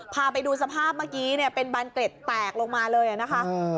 พาไปดูสภาพเมื่อกี้เนี่ยเป็นบานเกร็ดแตกลงมาเลยนะคะ